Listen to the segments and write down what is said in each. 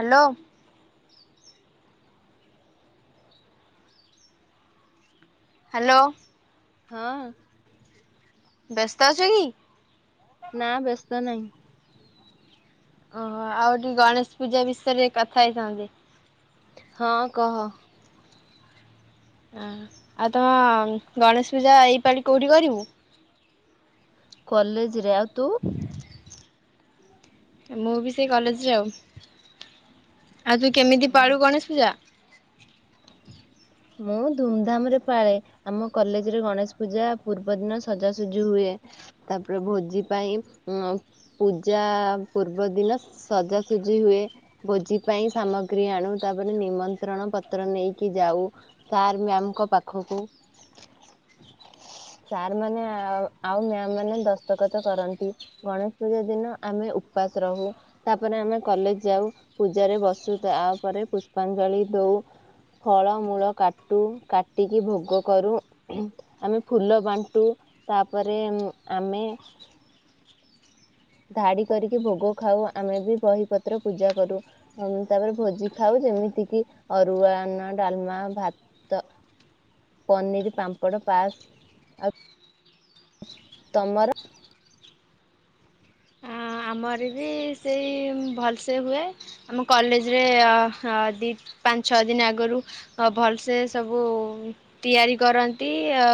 Hello. Hello. ହଁ। ବେସ୍ତ ଅଛୁ କି? ନା ବ୍ୟସ୍ତ ନାହିଁ। ଓହୋ ଆଉ ଟିକେ ଗଣେଶ ପୂଜା ବିଷୟରେ କଥା ହେଇଥାନ୍ତି। ହଁ କହ। ହୁଁ ଆଉ ତମ ଗଣେଶ ପୂଜା ଏଇପାଳି କୋଉଠି କରିବୁ? କଲେଜ୍ ରେ ଆଉ ତୁ? ମୁଁ ବି ସେଇ କଲେଜରେ ଆଉ ଆଉ ତୁ କେମିତି ପାଳୁ ଗଣେଶ ପୂଜା? ମୁଁ ଧୁମଧାମ୍ ରେ ପାଳେ। ଆମ କଲେଜରେ ଗଣେଶ ପୂଜା ପୂର୍ବ ଦିନ ସଜାସଜି ହୁଏ। ତାପରେ ଭୋଜି ପାଇଁ ଉଁ ପୂଜା ପୂର୍ବ ଦିନ ସଜାସଜି ହୁଏ। ଭୋଜି ପାଇଁ ସାମଗ୍ରୀ ଆଣୁ ତାପରେ ନିମନ୍ତ୍ରଣ ପତ୍ର ନେଇକି ଯାଉ ସାର୍ ମ୍ୟାମ୍ ଙ୍କ ପାଖକୁ। ସାର୍ ମାନେ ଆଉ ମ୍ୟାମ୍ ମାନେ ଦସ୍ତକତ କରନ୍ତି। ଗଣେଶ ପୂଜା ଦିନ ଆମେ ଉପବାସ ରହୁ ତାପରେ ଆମେ କଲେଜ ଯାଉ ପୂଜାରେ ବସୁ ତାପରେ ପୁଷ୍ପାଞ୍ଜଳି ଦଉ। ଫଳ ମୂଳ କାଟୁ କାଟିକି ଭୋଗ କରୁ ଆମେ ଫୁଲ ବାଣ୍ଟୁ ତାପରେ ଆମେ ଧାଡି କରିକି ଭୋଗ ଖାଉ ଆମେ ବି ବହିପତ୍ର ପୂଜା କରୁ। ହଁ ତାପରେ ଭୋଜି ଖାଉ ଯେମିତି କିି ଅରୁଆ ଅନ୍ନ, ଡାଲମା, ଭାତ ପନିର, ପାମ୍ପଡ, ପାସ୍ ଆଉ ତମର? ଆମର ବି ସେଇ ଭଲସେ ହୁଏ। ଆମ କଲେଜରେ ଦି ପାଞ୍ଚ, ଛଅ ଦିନ ଆଗରୁ ଅ ଭଲସେ ସବୁ ତିଆରି କରନ୍ତି ଅ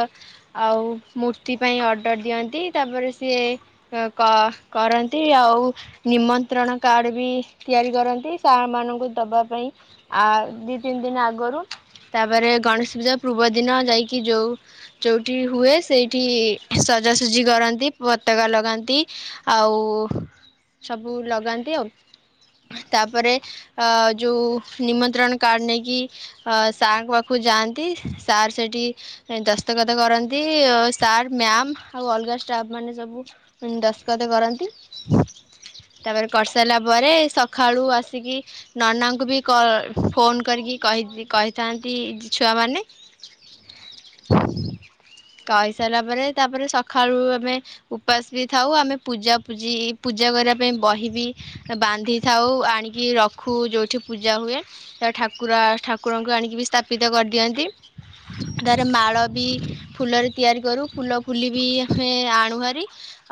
ଆଉ ମୂର୍ତ୍ତି ପାଇଁ ଅର୍ଡ଼ର ଦିଅନ୍ତି ତାପରେ ସିଏ କ କର ଆଉ ନିମନ୍ତ୍ରଣ କାର୍ଡ ବି ତିଆରି କରନ୍ତି ସାର୍ ମାନଙ୍କୁ ଦବା ପାଇଁ। ଆ ଦୁଇ ତିନି ଦିନ ଆଗରୁ ତାପରେ ଗଣେଶ ପୂଜା ପୂର୍ବ ଦିନ ଯାଇକି ଯୋଉ ଯୋଉଠି ହୁଏ ସେଇଠି ସଜାସଜି କରନ୍ତି ପତାକା ଲଗାନ୍ତି। ଆଉ। ସବୁ ଲଗାନ୍ତି ଆଉ। ତାପରେ ଅ ଯୋଉ ନିମନ୍ତ୍ରଣ କାର୍ଡ ନେଇକି ଅ ସାର୍ ଙ୍କ ପାଖକୁ ଯାଆନ୍ତି ସାର୍ ସେଠି ଦସ୍ତଖତ କରନ୍ତି ସାର୍ ମ୍ୟାମ ଆଉ ଅଲଗା ଷ୍ଟାଫ୍ ମାନେ ସବୁ ଦସ୍ତଖତ କରନ୍ତି। ହ [inaudible] ତାପରେ କରିସାରିଲା ପରେ ସକାଳୁ ଆସିକି ନନାଙ୍କୁ ବି କ ଫୋନ୍ କରିକି କହି କହି କହିଥାନ୍ତି ଛୁଆମାନେ। [inaudible] କହିସାରିଲା ପରେ ତାପରେ ସକାଳୁ ଆମେ ଉପାସ ବି ଥାଉ ଆମେ ପୂଜା ପୂଜି ପୂଜା କରିବା ପାଇଁ ବହିବି ବାନ୍ଧି ଥାଉ ଆଣିକି ରଖୁ ଯୋଉଠି ପୂଜା ହୁଏ। ତ ଠାକୁର ଠାକୁରଙ୍କୁ ଆଣିକି ବି ସ୍ଥାପିତ କରିଦିଅନ୍ତି। ତାର ମାଳ ବି ଫୁଲରେ ତିଆରି କରୁ ଫୁଲ ଫୁଲି ବି ଆମେ ଆଣୁ ହରିି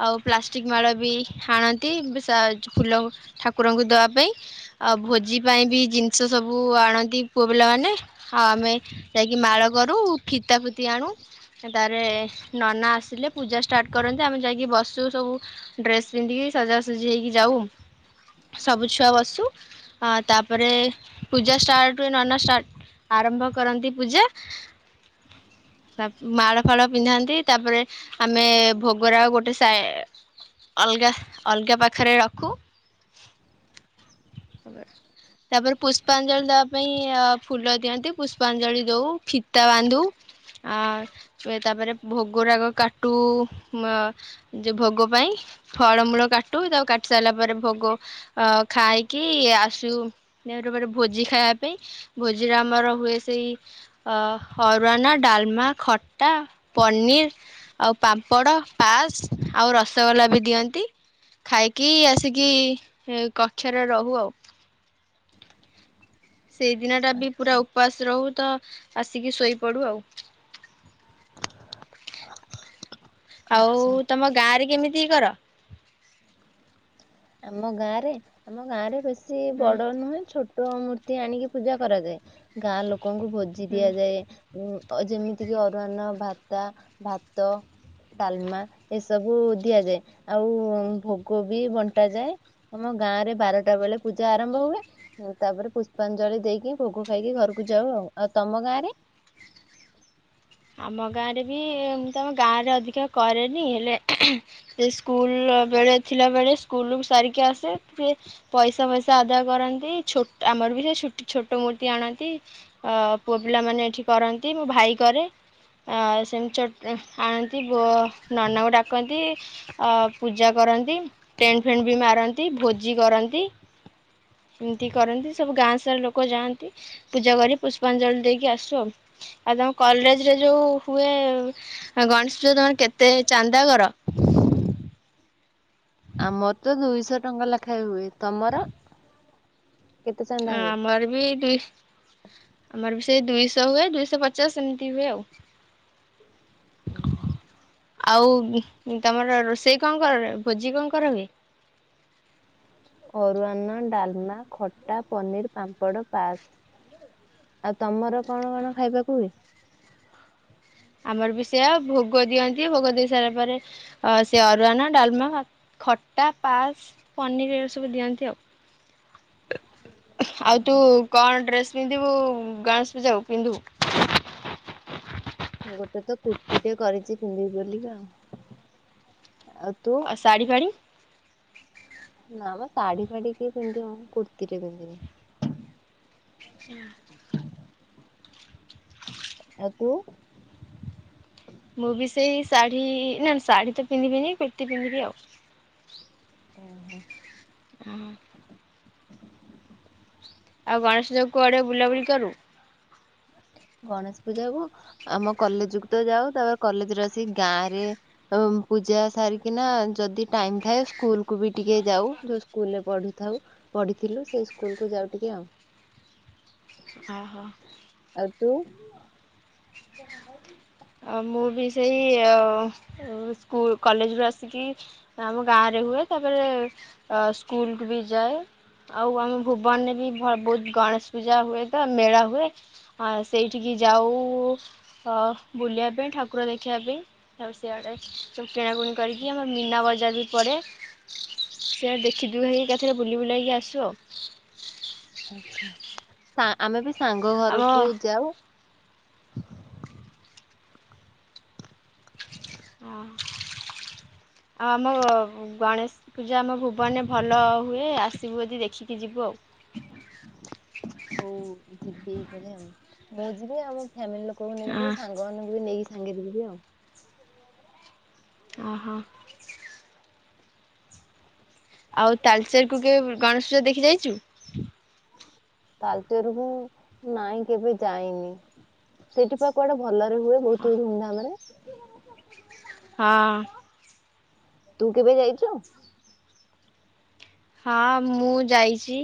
ଆଉ ପ୍ଲାଷ୍ଟିକ ମାଳ ବି ହାଣନ୍ତି ସାର୍ ଯୋଉ ଫୁଲ ଠାକୁରଙ୍କୁ ଦବା ପାଇଁ। ଆଉ ଭୋଜି ପାଇଁ ବି ଜିନିଷ ସବୁ ଆଣନ୍ତି ପୁଅ ପିଲାମାନେ ଆଉ ଆମେ ଯାଇକି ମାଳ କରୁ ଫିତା ଫୁତି ଆଣୁ। ତାରେ ନନା ଆସିଲେ ପୂଜା ଷ୍ଟାର୍ଟ କରନ୍ତି ଆମେ ଯାଇକି ବସୁ ସବୁ। ଡ୍ରେସ୍ ପିନ୍ଧିକି ସଜାସଜି ହେଇକି ଯାଉ ସବୁ ଛୁଆ ବସୁ। ତାପରେ ପୂଜା ଷ୍ଟାଟ ହୁଏ, ନନା ଷ୍ଟାଟ ଆରମ୍ଭ କରନ୍ତି ପୂଜା। ମାଳ ଫାଳ ପିନ୍ଧାନ୍ତି ତାପରେ ଆମେ ଭୋଗରା ଗୋଟେ ଅଲଗା ଅଲଗା ପାଖରେ ରଖୁ। ତାପରେ ପୁଷ୍ପାଞ୍ଜଳି ଦବା ପାଇଁ ଫୁଲ ଦିଅନ୍ତି ପୁଷ୍ପାଞ୍ଜଳି ଦଉ ଫିତା ବାନ୍ଧୁ। ଆ ହୁଏ ତାପରେ ଭୋଗ ରାଗ କାଟୁ ଯେ ଭୋଗ ପାଇଁ। ଫଳମୂଳ କାଟୁ ତାଉ କାଟି ସାରିଲା ପରେ ଭୋଗ ଅ ଖାଇକି ଆସୁ ର [unintelligible] ଭୋଜି ଖାଇବା ପାଇଁ। ଭୋଜିରେ ଆମର ହୁଏ ସେଇ ଅ ହରୁୱନା ଡାଲମା, ଖଟା, ପନିର। ଆଉ ପାମ୍ପଡ ପାସ ଆଉ ରସଗୋଲା ବି ଦିଅନ୍ତି ଖାଇକି ଆସିକି କକ୍ଷରେ ରହୁ ଆଉ। ସେଇଦିନ ଟା ବି ପୁରା ଉପବାସ ରହୁ ତ ଆସିକି ଶୋଇପଡୁ ଆଉ। [inaudible] ଆଉ ଆଚ୍ଛା ତମ ଗାଁ ରେ କେମିତି କର? ଆମ ଗାଁରେ ଆମ ଗାଁରେ ବେଶୀ ହୁଁ ବଡ ନୁହେଁ ଛୋଟ ଛୋଟ ମୂର୍ତ୍ତି ଆଣିକି ପୂଜା କରାଯାଏ ଗାଁ ଲୋକଙ୍କୁ ଭୋଜି ହୁଁ ଦିଆଯାଏ। ଉଁ ଯେମିତି କିି ଅରୁଆନ ଭାତା ଭାତ ଡାଲମା ଏସବୁ ଦିଆଯାଏ ଆଉ ଭୋଗ ବି ବଣ୍ଟା ଯାଏ ଆମ ଗାଁରେ ବାରଟା ବେଳେ ପୂଜା ଆରମ୍ଭ ହୁଏ। ତାପରେ ପୁଷ୍ପାଞ୍ଜଳି ଦେଇକି ଭୋଗ ଖାଇକି ଘରକୁ ଯାଉ ଆଉ। ଆଉ ତମ ଗାଁରେ? ଆମ ଗାଁରେ ବି ଏତି ଆମ ଗାଁରେ ଅଧିକା କରେନି ହେଲେ ସେ ସ୍କୁଲବେଳେ ଥିଲାବେଳେ ସ୍କୁଲ ସାରିକି ଆସେ ସେ ପଇସା ଫଇସା ଆଦାୟ କରନ୍ତି ଛୋଟ ଆମର ବି ସେ ଛୋଟ ମୂର୍ତ୍ତି ଆଣନ୍ତି ଅ ପୁଅପିଲାମାନେ ଏଠି କରନ୍ତି ମୋ ଭାଇ କରେ। ଅ ସେମିତି [unintelligible] ନନାଙ୍କୁ ଡାକନ୍ତି ଅ ପୂଜାକରନ୍ତି ଟେଣ୍ଟ ଫେଣ୍ଟ୍ ବି ମାରନ୍ତି ଭୋଜି କରନ୍ତି। ଏମିତି କରନ୍ତି, ସବୁ ଗାଁ ସାରା ଲୋକ ଯାଆନ୍ତି। ପୂଜାକରି ପୁଷ୍ପାଞ୍ଜଳି ଦେଇକି ଆସୁ। ଆଉ ତମ କଲେଜ ହୁଏ ଗଣେଶପୂଜା ତମର କେତେ ଚାନ୍ଦା କର? ଆମର ତ ଦୁଇଶହ ଟଙ୍କା ଲେଖାଏଁ ହୁଏ, ତମର କେତେ ଚାନ୍ଦା ହଁ ହୁଏ? ଆମର ବି ଦୁଇସ୍। ଆମର ବି ସେଇ ଦୁଇଶହ ହୁଏ ଦୁଇଶହ ପଚାଶ ଏମିତି ହୁଏ ଆଉ। ହ [unintelligible] ଆଉ ତମର ରୋଷେଇ କଣ କର ଭୋଜି କଣ କରାହୁଏ? ଅରୁୱାନ, ଡାଲମା, ଖଟା, ପନିର୍, ପାମ୍ପଡ଼, ପାସ୍। ଆଉ ତମର କଣ କଣ ଖାଇବାକୁ ହୁଏ? ଆମର ବି ସେଇଆ ଭୋଗ ଦିଅନ୍ତି ଭୋଗ ଦେଇ ସାରିଲା ପରେ ଅ ସେ ଅରୁଆନା, ଡାଲମା, ଖଟା, ପାସ୍ ପନିର ଏସବୁ ଦିଅନ୍ତି ଆଉ। [inaudible] ଆଉ ତୁ କଣ ଡ୍ରେସ ପିନ୍ଧିବୁ ଗଣେଶପୂଜାକୁ ପିନ୍ଧିବୁ? ଗୋଟେ ତ କୁର୍ତ୍ତିଟେ କରିଛି ପିନ୍ଧିବି ବୋଲି ଆଉ ଆଉ ତୁ? ଆଉ ଶାଢ଼ୀ ଫା଼ଡ଼ି ନା ମ ଶାଢୀ ଫାଢୀ କିଏ ପିନ୍ଧିବ ମ କୁର୍ତ୍ତୀଟେ ପିନ୍ଧିବି ଆଚ୍ଛା। ଆଉ ତୁ? ମୁଁ ବି ସେଇ ଶାଢୀ ନା ଶାଢୀ ତ ପିନ୍ଧିବିନି କୁର୍ତ୍ତି ପିନ୍ଧିବି ଆଉ ଓ ହୋ। ହ। ଆଉ ଗଣେଶପୂଜାକୁ କୁଆଡେ ବୁଲାବୁଲି କରୁ? ଗଣେଶପୂଜାକୁ ଆମ କଲେଜକୁ ତ ଯାଉ ତାପରେ କଲେଜରେ ଆସିିକି ଗାଁ ରେ ପୂଜା ସାରିକିନା ଯଦି ଟାଇମ ଥାଏ ସ୍କୁଲକୁ ବି ଟିକେ ଯାଉ ଯୋଉ ସ୍କୁଲରେ ପଢୁଥାଉ ପଢିଥିଲୁ ସେ ସ୍କୁଲକୁ ଯାଉ ଟିକେ ଆଉ ଓ ହୋ। ଆଉ ତୁ? ଆଉ ମୁଁ ବି ସେଇ ସ୍କୁଲ କଲେଜରୁୁ ଆସିକି ଆମ ଗାଁରେ ହୁଏ ତାପରେ ଅ ସ୍କୁଲକୁ ବି ଯାଏ ଆଉ ଆମ ଭୁବନରେ ବି ବହୁତ ଗଣେଶପୂଜା ହୁଏ ତ ମେଳା ହୁଏ ଆ ସେଇଠିକି ଯାଉ ଅ ବୁଲିବା ପାଇଁ ଠାକୁର ଦେଖିବା ପାଇଁ ଆଉ ସିଆଡେ ସବୁ କିଣାକଣି କରିକି ଆମ ମୀନା ବଜାର ବି ପଡେ ସିଆଡେ ଦେଖିଦେଇ ହେଇକି ଏକାଥରେ ବୁଲି ବୁଲେଇକି କ'ଆସୁ ଆଉ ଆଚ୍ଛା, ଆଁ ଆମେ ବି ସାଙ୍ଗ ଆମ ହଁ ଘରକୁ ଯାଉ ଅଁ ହଁ ଆଉ ଆମ ଗଣେଶ ପୂଜା ଆମ ଭୁବନରେ ଭଲ ହୁଏ ଆସିବୁ ଯଦି ଦେଖିକି ଯିବୁ। ହଉ ଯିବେ ମାନେ ଆଉ ମୁଁ ଯିବି ଆଉ ଫ୍ୟାମିଲି ଲୋକଙ୍କୁ ନେଇକି ହଁ ଯିବି ସାଙ୍ଗମାନଙ୍କୁ ବି ନେଇକି ସାଙ୍ଗେରେ ଯିବି ଆଉ ଓହୋ। ଆଉ ତାଲଚେର କୁ କେବେ ଗଣେଶ ପୂଜା ଦେଖି ଯାଇଛୁ? ତାଲଚେରକୁ ନାଇଁ କେବେ ଯାଇନି। ସେଇଠି ପା କୁଆଡେ ଭଲରେ ହୁଏ ବହୁତୁ ଧୁମଧାମ ରେ ହଁ। ତୁ କେବେ ଯାଇଛୁ? ହଁ ମୁଁ ଯାଇଛି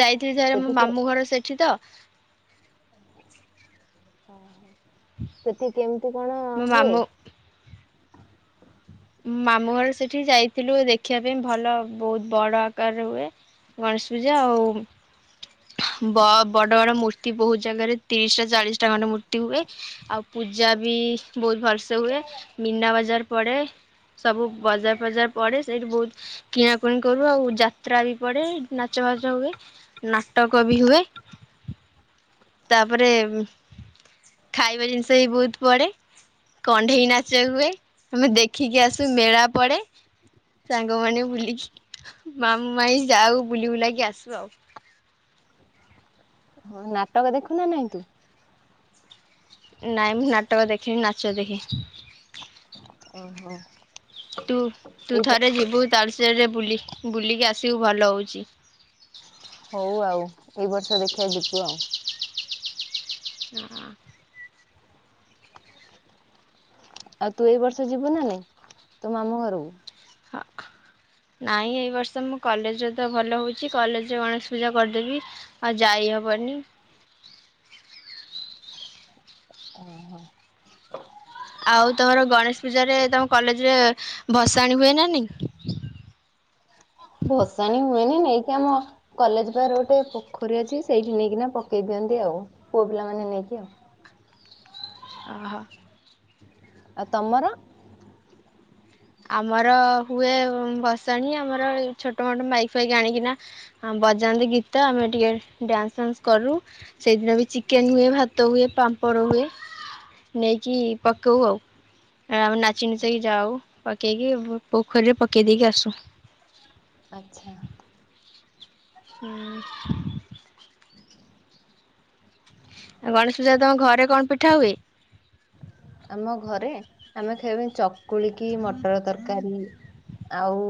ଯାଇଥିଲି ଥରେ ସେଠି ମୋ କେ ମାମୁଁ ଘର ସେଠି ତ ସେଠି କେମିତି କଣ ମୋ ହୁଏ? ମାମୁଁ ମାମୁଁ ଘରେ ସେଠି ଯାଇଥିଲୁ ଦେଖିବା ପାଇଁ ଭଲ ବହୁତ ବଡ ଆକାରରେ ହୁଏ। ଗଣେଶ ପୂଜା ଆଉ ବ ବଡ଼ ବଡ଼ ମୂର୍ତ୍ତି ବହୁତ ଜାଗାରେ ତିରିଶିଟା ଚାଳିଶ ଟା ଖଣ୍ଡେ ମୂର୍ତ୍ତି ହୁଏ ଆଉ ପୂଜା ବି ବହୁତ ଭଲସେ ହୁଏ ମିନା ବାଜାର ପଡ଼େ। ସବୁ ବଜାର ଫଜାର ପରେ ସେଇଠି ବହୁତ କିଣା ପୁଣି କରୁ ଆଉ ଯାତ୍ରା ବି ପଡ଼େ ନାଚ ଫାଚ ହୁଏ ନାଟକ ବି ହୁଏ। ତାପରେ ଖାଇବା ଜିନିଷ ବି ବହୁତ ପଡେ। କଣ୍ଢେଇ ନାଚ ହୁଏ ଆମେ ଦେଖିକି ଆସୁ ମେଳା ପଡେ। ସାଙ୍ଗମାନେ ବୁଲିକି ମାମୁଁ ମାଈଁ ଯାଉ ବୁଲି ବୁଲାକି ଆସୁ ଆଉ। ହଁ ନାଟକ ଦେଖୁ ନା ନହିଁ ତୁ? ନହିଁ ମୁଁ ନାଟକ ଦେଖେନି ନାଚ ଦେଖେ। ଓହୋ। ତୁ ତୁ ଏଇ ଥରେ ଯିବୁ ତାଳଚେର ରେ ବୁଲି ବୁଲିକି ଆସିବୁ ଭଲ ହେଉଛି। ହଉ ଆଉ ଏଇ ବର୍ଷ ଦେଖିଆ ଯିବୁ ଆଉ। [inaudible] ଆଉ ତୁ ଏଇ ବର୍ଷ ଯିବୁ ନା ନାଇଁ ତୋ ମାମୁଁ ଘରକୁ। [unintelligible] ନାଇଁ ଏଇ ବର୍ଷ ମୁଁ କଲେଜରେ ତ ଭଲ ହେଉଛି କଲେଜରେ ଗଣେଶ ପୂଜା କରିଦେବି। ଆ ଯାଇ ହବନି। [unintelligible] ଆଉ ତମର ଗଣେଶ ପୂଜାରେ ତମ କଲେଜରେ ଭସାଣି ହୁଏ ନା ନାଇଁ। ଭସାଣି ହୁଏନି ନେଇକି ଆମ କଲେଜ ପାଖରେ ଗୋଟେ ପୋଖରୀ ଅଛି ସେଇଠି ନେଇକି ନା ପକେଇ ଦିଅନ୍ତି ଆଉ ପୁଅ ପିଲା ମାନେ ନେଇକି ଆଉ। ଓହୋ। ଆଉ ତମର। ଆମର ହୁଏ ଭସାଣି ଆମର ଛୋଟ ମୋଟ ମାଇକ୍ ଫାଇକ୍ ଆଣିକିନା। ଆ ବଜାନ୍ତି ଗୀତ ଆମେ ଟିକେ ଡ୍ୟାନ୍ସ ଫ୍ୟାନ୍ସ କରୁ। ସେଇଦିନ ବି ଚିକେନ ହୁଏ ଭାତ ହୁଏ ପାମ୍ପଡ଼ ହୁଏ। ନେଇକି ପକଉ ଆଉ ଆମେ ନାଚି ନୁଚିକି ଯାଉ। ପକେଇକି ପୋଖରୀରେ ପକେଇ ଦେଇକି ଆସୁ। ଆଛା। ହୁଁ। ଗଣେଶ ପୂଜା ତମ ଘରେ କଣ ପିଠା ହୁଏ? ଆମ ଘରେ ଆମେ କେବଳ ଚକୁଳିକି ମଟର ତରକାରୀ। ଆଉ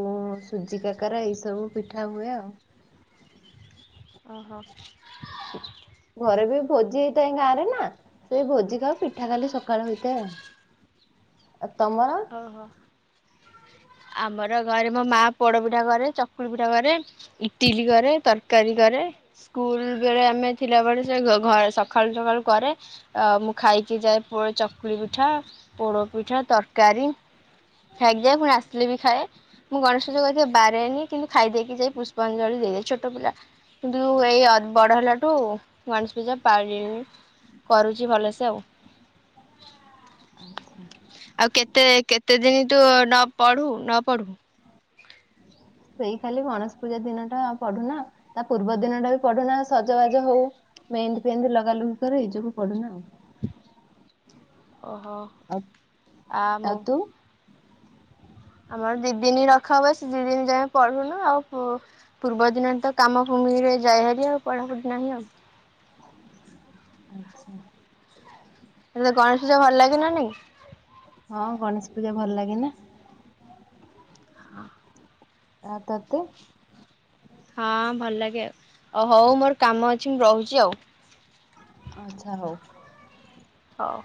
ସୁଜି କାକରା ଏଇ ସବୁ ପିଠା ହୁଏ ଆଉ। ଓହୋ। ଘରେ ବି ଭୋଜି ହେଇଥାଏ ଗାଁ ରେ ନା ସେଇ ଭୋଜିି ଆଉ ପିଠା କାଲି ସକାଳ ହଇଥାଏ ଆଉ। ଆଉ ତମର। ଆମର ଘରେ ମୋ ମା ପୋଡ ପିଠା କରେ ଚକୁଳି ପିଠା କରେ। ଇଟିଲି କରେ ତରକାରୀ କରେ ସ୍କୁଲ ବେଳେ ଆମେ ଥିଲାବେଳେ ସେ ଘ ଘରେ ସକାଳୁ ସକାଳୁ କରେ ମୁଁ ଖାଇକି ଯାଏ ବ ଏ ଚକୁଳି ପିଠା ପୋଡ଼ ପିଠା ତରକାରୀ ଆଜ୍ଞା ପୁଣି ଆସିଲେ ବି ଖାଏ ମୁଁ ଗଣେଶ ପୂଜା କରି ପାରେନି କିନ୍ତୁ ଖାଇ ଦେଇକି ଯାଇ ପୁଷ୍ପାଞ୍ଜଳୀ ଦେଇଦିଏ ଛୋଟ ପିଲା କିନ୍ତୁ ଏଇ ଅ ବଡ ହେଲାଠୁ ଗଣେଶ ପୂଜା ପାରିଲିଣି କରୁଛି ଭଲସେ ଆଉ ଆଉ କେତେ କେ କେତେ ଦିନ ତୁ ନ ପଢୁ ନ ପଢୁ ସେଇ ଖାଲି ଗଣେଶ ପୂଜା ଦିନ ଟା ଆଉ ପଢୁନା ତା ପୂର୍ବ ଦିନ ଟା ବି ପଢୁନା ସଜବାଜ ହଉ ମେହେନ୍ଦି ଫେହେନ୍ଦି ଲଗାଲଗି କରେ ଏଇ ଯୋଗୁ ପଢୁନା ଓହୋ ଆଉ ଆ ଆଉ ମୁଁ ତୁ ଆମର ଦିଦିନ ରଖା ହୁଏ ସେତିକିଦିନ ଯାଏ ପଢୁନୁ ଆଉ ପୁ ପୂର୍ବ ଦିନ ତ କାମ ଭୂମିରେ ଯାଇ ହେରି ଆଉ ପଢ଼ାପଢ଼ି ନାହିଁ ଆଉ ଆଛା ତତେ ଗଣେଶ ପୂଜା ଭଲ ଲାଗେ ନା ନାଇଁ ହଁ ଗଣେଶ ପୂଜା ଭଲ ଲାଗେ ନା [unintelligible] ଆଉ ତତେ? ହଁ ଭଲ ଲାଗେ ଆଉ ଅ ହଉ ମୋର କାମ ଅଛି ମୁଁ ରହୁଚି ଆଉ? ଆଚ୍ଛା ହଉ। ହଉ।